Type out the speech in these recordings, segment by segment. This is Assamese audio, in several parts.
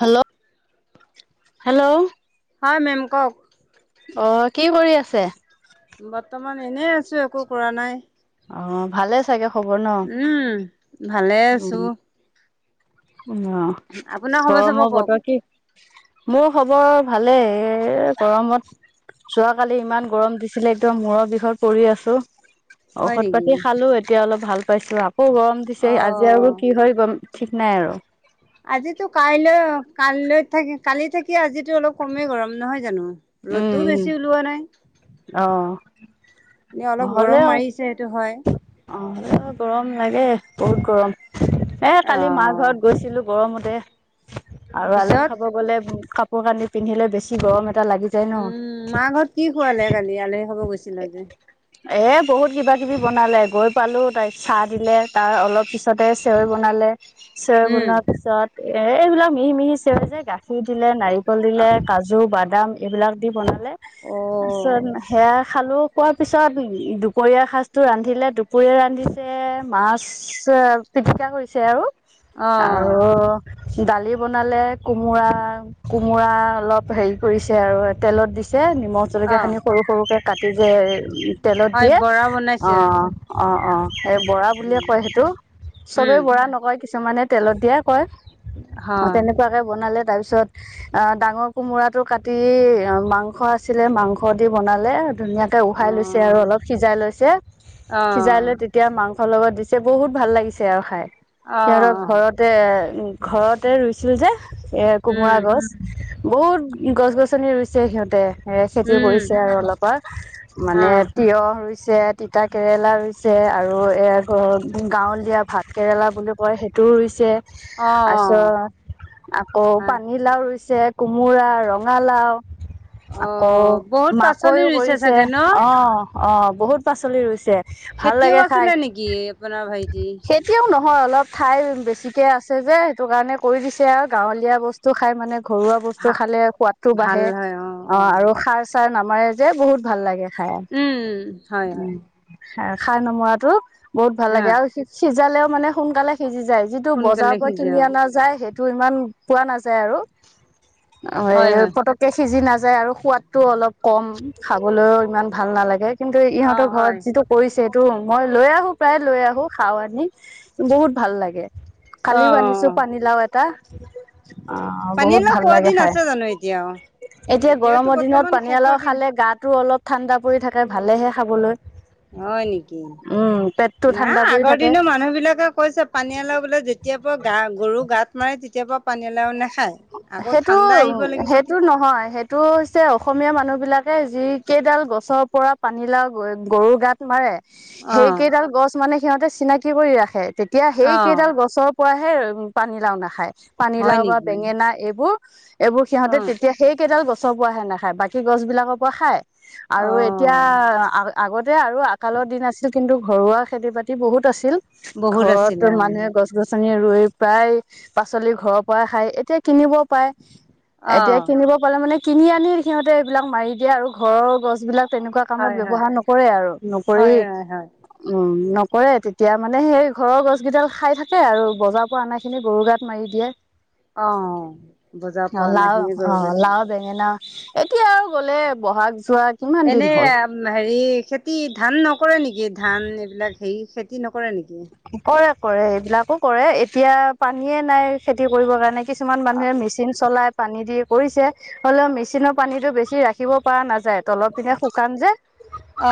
হেল্ল' হেল্ল' হয় মেম কওক অ কি কৰি আছে বৰ্তমান এনেই আছো একো কৰা নাই অ ভালে চাগে খবৰ ন উম ভালে আছোঁ অ খবৰ চবৰ গৰমৰ কওক বতৰ কি মোৰ খবৰ ভালেই এ গৰমত যোৱাকালি ইমান গৰম দিছিলে একদম মূৰৰ বিষত পৰি আছো হয় ঔষধ নেকি? পাতি খালো এতিয়া অলপ ভাল পাইছো আকৌ গৰম দিছে অ আজি আৰু কি হয় গম ঠিক নাই আৰু আজিতো কাইলৈ কাইলৈ থাকি কালি থাকি আজিটো অলপ কমেই গৰম নহয় জানো ৰ'দটোও উম বেছি ওলোৱা নাই উম এনে অ অলপ গৰম হ'লেও মাৰিছে সেইটো হয় অ গৰম লাগে বহুত গৰম এ অ কালি মাৰ ঘৰত গৈছিলোঁ গৰমতে আৰু আলহী পিছত খাব গ'লে কাপোৰ কানি পিন্ধিলে বেছি গৰম এটা লাগি যায় ন উম মা ঘৰত কি খোৱালে কালি আলহী খাব গৈছিলে যে এ বহুত কিবা কিবি বনালে গৈ পালো তাইক চাহ দিলে তাৰ অলপ পিছতে চেৱৈ বনালে চেৱৈ উম বনোৱা পিছত এ এইবিলাক মিহি মিহি চেৱৈ যে গাখীৰ দিলে নাৰিক কল অ দিলে কাজু বাদাম এইবিলাক দি বনালে অ তাৰপিছত সেয়া খালো খোৱাৰ পিছত দুপৰীয়া সাজ টো ৰান্ধিলে দুপৰীয়া ৰান্ধিছে মাছ পিটিকা কৰিছে আৰু অ আৰু দালি বনালে কোমোৰা কোমোৰা অলপ হেৰি কৰিছে আৰু তেলত দিছে নিমখ জলকীয়া অ খিনি সৰু সৰুকে কাটি যে তেলত হয় দিয়ে বৰা বনাইছে অ আৰু অ অ এই বৰা বুলিয়ে উম কয় সেইটো চবে উম বৰা নকয় কিছুমানে তেলত দিয়া কয় অ হয় তেনেকুৱাকে বনালে তাৰ পিছত তাৰ পিছত অ ডাঙৰ কোমোৰাটো কাটি অ মাংস আছিলে মাংস দি বনালে ধুনীয়াকে উঘাই লৈছে আৰু অ', অলপ সিজাই লৈছে সিজাই অ', লৈ তেতিয়া মাংস মাংসৰ লগত দিছে বহুত ভাল লাগিছে আৰু খাই সিহঁতক অ', ঘৰতে উ ঘৰতে ৰুইছিলে যে এ কোমোৰা উম, গছ বহুত গছ গছনি ৰুছে সিহঁতে সে খেতি উম, কৰিছে আৰু অলপমান মানে অ', তিয়ঁহ ৰুইছে তিতা কেৰেলা ৰুইছে আৰু গাঁৱলীয়া ভাত কেৰেলা বুলি কয় সেইটোও ৰুইছে পাছত অ', আকৌ হয় পানীলাও ৰুইছ একে কোমোৰা ৰঙালাও আকৌ অ', বহুত পাচলি মাকৈও ৰুইছে কৰিছে চাগে ন? অ অ বহুত পাচলি ৰুইছে ভাল খেতিয়ক লাগে খাই আছিলে নেকি আপোনাৰ ভাইটি? খেতিয়াও নহয় অলপ ঠাই বেছিকে আছে যে সেইটো কাৰণে কৰি দিছে আৰু গাঁৱলীয়া বস্তু খাই মানে ঘৰুৱা বস্তু ভা খালে সোৱাদটো বাঢ়ে অ আৰু সাৰ চাৰ নামাৰে যে বহুত ভাল লাগে খাই উম হয় উম হয় সাৰ নমৰাটো বহুত ভাল লাগে হয়, আৰু সিজালেও মানে সোনকালে সিজি যায় যিটো বজাৰৰ সোনকালে পৰা সিজে কিনি অ', অনা যায় সেইটো ইমান পোৱা নাযায় আৰু অ হয়, হয়, পতকে সিজি নায য আৰু সোৱাদটো অলপ কম খাবলৈও ইমান ভাল নালাগে কিন্তু অ', ইহঁতৰ ঘৰত হয়, যিটো কৰিছে সেইটো মই লৈ আহো প্ৰায় লৈ আহো খাওঁ আনি বহুত ভাল লাগে কালিও আনিছো অ', পানীলাও এটা অ বহুত পানীলাও ভাল খোৱা লাগে দিন খাই আছে জানো এতিয়াও? এতিয়া এতিয়াতো গৰমৰ দিনত বৰ্তমান পানী শেষৰ অলাও দিন খালে গা টো অলপ ঠাণ্ডা পৰি থাকে ভালেহে খাবলৈ হয় নেকি উম পেটটো না ঠাণ্ডা পৰি আগৰ থাকে দিনৰ মানুহ বিলাকে কৈছে পানী এল বোলে যেতিয় পৰা গা গৰু গাত মাৰে [unintelligible] কেতিয়া পৰা পানীলাও নাই [unintelligible] সেইটো সেইটো নহয় সেইটো হৈছে অসমীয়া মানুহ বিলাক যি কেইডাল গছৰ পৰা পানী লাও গৰুৰ গা ধূৱাই অ সেই কেইডাল গছ [unintelligible] মানে সিহঁতে চিনাকি কৰি ৰাখে তেতিয়া অ সেই কেইডাল গছৰ পৰাহে উ পানী লাও নাখায় [unintelligible] হয় পানীলাও বা নেকি বেঙেনা এইবোৰ এইবোৰ অ সিহঁতে তেতিয়া সেই কেইডাল গছৰ পৰাহে নাখায় বাকী গছ বিলাকৰ পৰা খায় অ আৰু এতিয়া আ আগতে আৰু আকালৰ দিন আছিল কিন্তু ঘৰুৱা খেতি বাতি বহুত আছিল বহুত আছিলে ঘৰত অ মানুহে গছ গছনি আৰু প্ৰায় পাচলি ঘৰৰ পৰা খাই এতিয়া কিনিব পাই অ এতিয়া কিনিব পালে মানে কিনি আনি সিহঁতে এইবিলাক মাৰি দিয়ে আৰু ঘৰৰ গছ বিলাক তেনেকুৱা কামত হয় হয় ব্যৱহাৰ নকৰে আৰু হয় নকৰেই হয় হয় উম [unintelligible] নকৰে তেতিয়া মানে সেই ঘৰৰ গছ কেইডাল খাই থাকে আৰু বজাৰৰ পৰা অনা খিনি গৰু গাত মাৰি দিয়ে অ বুজা অ পোৱা নাই লাও সিয়ে অ গৰু গাত মাৰে লাও বেঙেনা [unintelligible] এতিয়া আৰু গ'লে বহাগ যোৱা কিমান দিন এনে হ'ল হেৰি খেতি ধান নকৰে নেকি কি ধান এইবিলাক হেৰি খেতি নকৰে নেকি কৰে কৰে এইবিলাকো কৰে এতিয়া পানীয়েে নাই খেতি কৰিবৰ কাৰণে কিছুমান অ মানুহে মেচিন চলাই পানী দি কৰিছে হলেও মেচিনৰ পানীটো বেছি ৰাখিব পৰা নাযায় [unintelligible] তলৰ পিনে শুকাম যে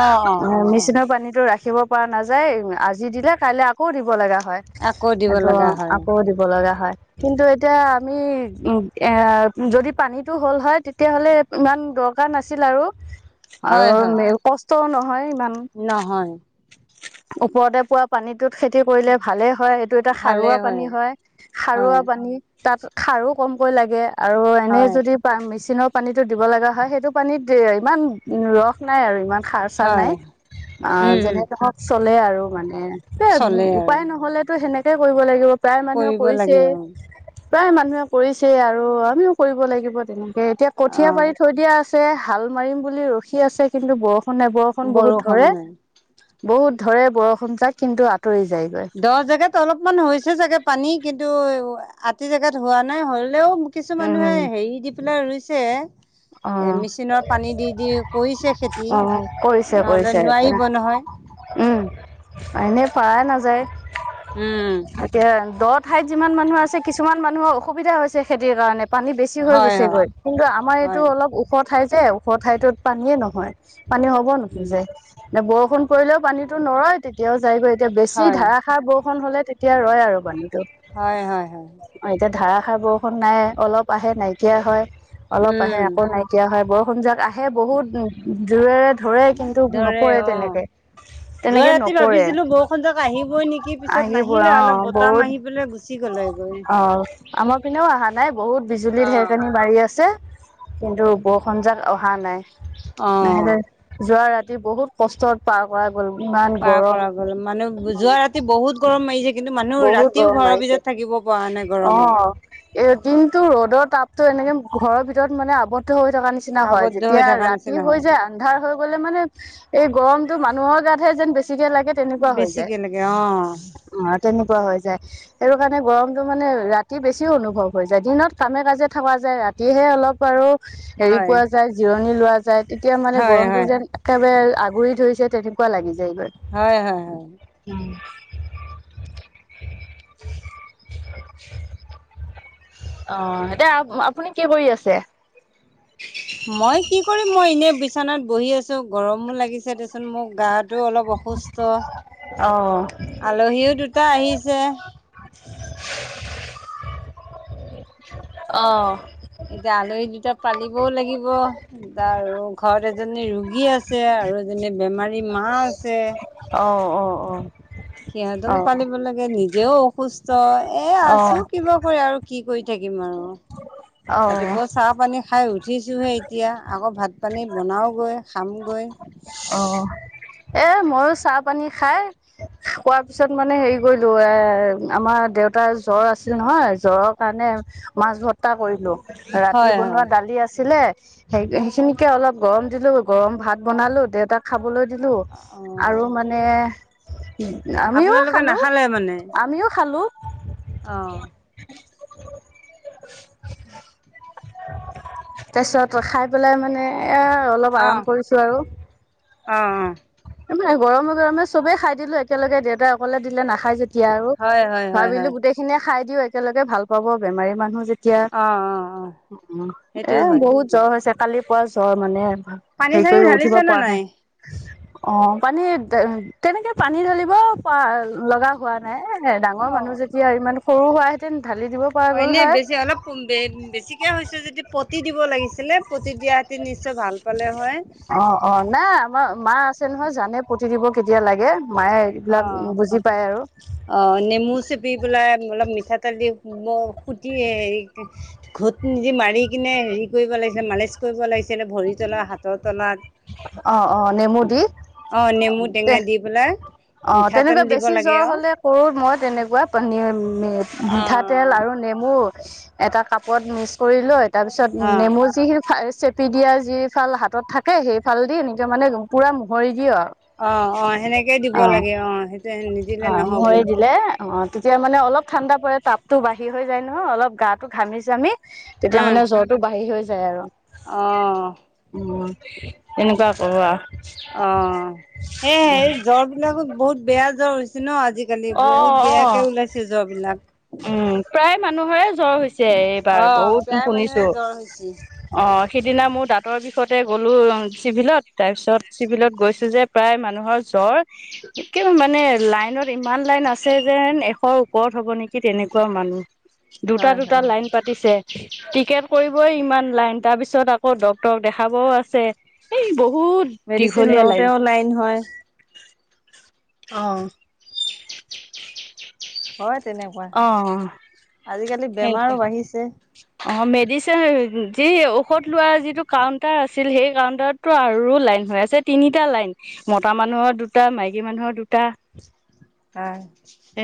অ অ অ অ পানীটো ৰাখি [unintelligible] ৰাখিব পৰা নাযায় আজি দিলে কাইলৈ আকৌ দিব লগা হয় আকৌ দিব সেইটো লগা হয় আকৌ দিব লগা হয় কিন্তু এতিয়া আমি উ এ যদি পানীতটো হ'ল হয় তেতিয়াহ'লে ইমান দৰকাৰ নাছিল আৰু হয় হয় আৰু কষ্টও নহয়। ইমান নহয়। ওপৰতে পোৱা পানীত। ত খেতি কৰিলে ভালেই হয় এইটো এটা সাৰুৱা পানী হয় হয় সাৰুৱা পানী। তাত খাৰো কমকৈ লাগে আৰু এনে হয় যদি প মেচিনত। পানীতো দিব লগা হয় সেইটো পানীত ইমান ৰস নাই আৰু ইমান। খাৰ চাৰ নাই হয় অ উম উম যেনে। নহওক চলে আৰু মানে এ চলে আৰু উপায় নহলেতো সেনেকেই কৰিব লাগিব। প্ৰায় মানুহে কৰিব কৰিছে। লাগে অ প্ৰায় মানুহে কৰিছে আৰু আমিও কৰিব লাগিব তেনেকে এতিয়া অ কঠীয়া পাৰি থৈ দিয়া আছে। হাল মাৰিম বুলি ৰখি আছে কিন্তু বৰষুণ নে বৰষুণ বহুত ধৰে। বহুত ধৰে বৰষুণ যাক কিন্তু। আঁতৰি যায়গৈ দহ জেগাত অলপমান হৈছে চাগে পানী কিন্তু আতি জোগাত হোৱা নাই হ। হলেও কিছু মানুহে উম হেৰি দি পেলাই ৰুইছে। অ এ মেচিনৰ পানী দি দি কৰিছে খেতি অ কৰিছে নহ'লে কৰিছে এতিয়া নোৱাৰিব নহয়। উম এনে পাৰা নাযায় উম এতিয়া দত। ঠাইত যিমান মানুহ আছে কিছুমান মানুহৰ অসুবিধা হৈছে খেতিৰ কাৰণে। পানী বেছি হৈ হয় হয় গৈছেগৈ কিন্তু আমাৰ এইটো হয় অলপ ওখ ঠাই যে ওখ ঠাইটোত পানীয়ে নহয়। পানী হ'ব নেকি উম যে এ বৰষুণ। কৰিলেও পানীতো নৰেয় তেতিয়াও যায়গৈ এতিয়া বেছি হয় ধাৰাষাৰ বৰষুণ হ'লে। এতিয়া ৰয় আৰু পানীতো হয় হয় হয় অ এতিয়া ধাৰা। ষাৰ বৰষুণ নাই অলপ আহে নাইকিয়া হয় অলপ আহে উম আকৌ নাইকিয়া হয় বৰষুণ যাক আহে। সেই বহুত যোৰেৰে। ধৰে কিন্তু ধৰে নপৰে অ তেনেকে যোৱা তেনেকে ৰাতি নপৰে। ভাবিছিলো বৰষুণ যাক আহিবই নেকি পিছত আহিব নাহিলে অ অলপ বতাহ বহুত মাৰি পেলাই গুচি গ'লে গৈ। অ। আমাৰ পিনেও অহা নাই বহুত বিজুলীত অ'। ঢেৰকনি মাৰি আছে। কিন্তু বৰষুণজাক অহা নাই অ', নহলে যোৱা ৰাতি। বহুত কষ্টত পাৰ কৰা। গ'ল ইমান পাৰ গৰম কৰা গ'ল মানে যোৱা ৰাতি বহুত গৰম মাৰিলে। বহুত গৰম মায়িছে। পৰা নাই অ গৰমত এ কিন্তু ৰ'দৰ তাপতো এনেকে ঘৰৰ ভিতৰত মানে আৱ। দ্ধ হৈ থকা নিচিনা হয় আৱদ্ধ হৈ যেতিয়া থকা নিচিনা ৰাতি হৈ হয়। যায় আন্ধাৰ হৈ গলে মানে এই গৰম। মানুহৰ গাতহে যেন বেছি দে লাগে তেনেকোৱা হৈ যায়। বেছিকে লাগে অ'। তেনেকোৱা হৈ যায় সেইটো কাৰণে গৰমতো মানে ৰাতি বেছি অনুভৱ হৈ যায় দিনত কামে কাজে থকা যায়। ৰাতিহে অলপ আৰু। হেৰি হয়। পোৱা যায় জিৰণি লোৱা যায় তেতিয়া মানে হয়, গৰমটো হয়, যেন একেবাৰে আগুৰি ধৰিছে। তেনেকোৱা লাগি যায় গৈ হয়, হয়, হয়। উম। [unintelligible] অ এতিয়া আপুনি কি কৰি আছে। মই কি কৰিম মই এনে বিছনাত বহি আছো গৰমো লাগিছে দেচোন মোক গা। টো অলপ অসুস্থ অ আলহীও দুটা আহিছে। [unintelligible] অহ। এতিয়া আলহী দুটা পালিবও লাগিব এ আৰু ঘৰত এজনী ৰোগী আছে আৰু। আৰু যেনে বেমাৰী মা আছে। অ অ অ। সিহঁতকো পালিব লাগে নিজেও অসুস্থ এ আছো কিবা কৰি আৰু কি কৰি। থাকিমনো আৰু অ ৰাতিপুৱা চাহ পানী খাই। উঠিছোহে এতিয়া আকৌ ভাত পানী বনাওগৈ খামগৈ। অ। এ মইয়ো চাহ পানী খাই খোৱাৰ পিছত মানে হেৰি কৰিলো এ আমাৰ দে তাৰ জ্বৰ আছিল নহয় জ্বৰৰ কাৰণে মাছ ভত্তা কৰিলো ৰাতি হয় বনোৱা হয় দালি আছে আছিলে সেই সেইখিনিকে অলপ গৰম দিলো গৰম ভাত বনালো দেতাক খাবলৈ দিলো অ আৰু মানে আমিও আপোনালোকে খালো আমিও খালো অহ উম তাৰপিছত খাই পেলাই মানে এ অলপ অ আৰাম কৰিছো আৰু অ অ এনে গৰমে গৰমে চবেই খাই দিলো একেলগে দেউতাই অকলে দিলে নাখাই যে তেতিয়া আৰু হয় হয় হয় ভাবিলো হয় গোটেইখিনিয়ে খাই দিও একেলগে ভাল পাব বেমাৰী মানুহ যেতি য়া অ অ অ সেইটো এ হয় বহুত জ্বৰ হৈছে কালি পুৱা জ্বৰ মানে পানী সেই চানী কৰি উঠিব ঢালিছে নে পৰা নাই অ পানী তেনেকে পানী ধৰিব পোৱা লগা হোৱা নাই এ ডাঙৰ মানুহ যেতিয়া ইমান সৰু হোৱা অ এনেই বেছি অলপ বেছিকে হৈছে যদি পতি দিব লাগিছিলে পতি দিয়া নিশ্চয় ভাল পালে হয় অ অ নাই আমাৰ মা আছে নহয় জানে প দিব কেতিয়া লাগে মায়ে অ এইবিলাক বুজি পায় আৰু অ নেমু চেপি পেলাই অলপ মিঠাতেল দিুটি হে ঘট নিদি মাৰি কিনে হেৰি কৰিব লাগ লাগি মালিচ কৰিব লাগিছিল ভৰি তলত হাতৰ তলাত আহ অ নেমু দি অ নেমু তে টেঙা দি পেলাই অ মিঠাতেল তেনেকুৱা দিব বেছি লাগে জ্বৰ আৰু হলে কৰো মই তেনেকুৱা পী অ মিঠাতেল আৰু নেমু এটা কাপত মিক্স কৰি লৈ তাৰ পিছত অ নেমু যিখিনি চেপি দিয়া যি ফাল হাতত থাকে সেইফাল দি এ মানে পুৰা মোহৰি দিয় আৰু অ অ সেনেকেই দিব লাগে অ সেইটো অ নিদিলে নহব মোহৰি দিলে অ তেতিয়া মানে অলপ ঠাণ্ডা পৰে তাপতো বাঢ়ি হৈ যায় নহয় অলপ গা টো ঘামিছ আমি তেতিয়া হা মানে জ্বৰটো বাঢ়ি হৈ যায় আৰু অ উ এনেক কব অ সে জ্বৰ বিলাকো বহুত বেয়া জ্বৰ হৈছে ন আজি আজিকালি অ অ বহুত অ বেয়াকে ওলাইছে য বিলাক উম প্ৰায় মানুহৰে জ্বৰ হৈছে এইবাৰ অ', বহুত প্ৰায় মানুহে শুনিছো জ্বৰ হৈছে। অ সিদিনা মোৰ দাঁতৰ বি শষতে গ'লো চিভিলত তাৰপিছত চিভিলত গৈছোঁ যে প্ৰায় মানুহৰ জ্বৰ মানে লাইনত ইমান লাইন আছে যেন এশৰ ওপৰত হ'ব নেকি তেনেকুৱা মানুহ দুটা হয়, দুটা হয়, লাইন পাতিছে টিকেট কৰিবই ইমান লাইন তাৰ পিছত আকৌ ডক্টৰক দেখাবও আছে এই বহুত বহুত মেডিচিন দীঘলীয়া লাইন লওঁতেও হয়, অঁ হয় তেনেকুৱা আজিকালি সেইটো বেমাৰো বাঢ়িছে অ মেডিচিন যি ঔষধ লোৱা যিটো কাউন্টাৰ আছিল সেই কাউন্টাৰতটো আৰু লাইন হৈ আছে তিনিটা লাইন মতা মানুহৰ দুটা মাইকী মানুহৰ দুটা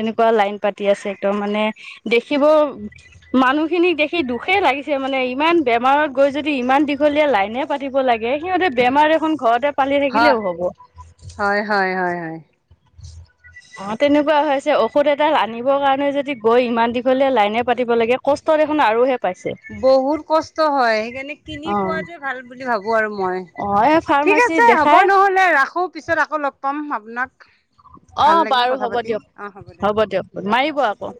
এনেকুৱা লাইন পাতি আছে তম মানে দেখিব মানুহখিনিক দেখি দুখে লাগিছে মানে ইমান বেয়া বেমাৰত গৈ যদি ইমান দীঘলীয়া লাইনে পাতিব লাগে সিহঁতে বেমাৰ এখন ঘৰতে পালি হয়, থাকিলেও হব হয়, হয়, হয়, হয়। উম অ তেনেকুৱা হৈছে ঔষধ এডাল আনিব কাৰণে যদি গৈ ইমান দীঘলীযা লাইনে পাতিব লাগে কষ্ট দেখোন আৰু বহুত কষ্ট হয় সেইকাৰণে কিনি অ খোৱাতে ভাল বুলি ভাবো আৰু মই অ এই ঠিক ফাৰ্মাচী আছে হ'ব দেখাই নহলে ৰাখো পিছত আকৌ লগ পাম আপোনাক অ ভাল লাগিল বাৰু কথা হ'ব পাতি অ', দিয়ক দে। হ'ব দিয়ক মাৰিব আকৌ